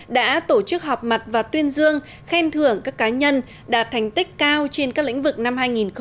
đã tổ chức họp mặt và tuyên dương khen thưởng các cá nhân đạt thành tích cao trên các lĩnh vực năm hai nghìn một mươi tám